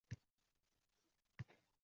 Mana, uyi isib qoldi.